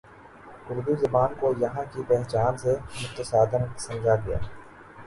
اردو زبان کو یہاں کی پہچان سے متصادم سمجھا گیا